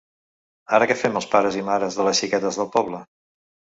Ara què fem els pares i mares de les xiquetes del poble?